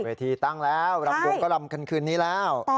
เวทีตั้งแล้วลำวงก็ลำขึ้นนี้แล้ว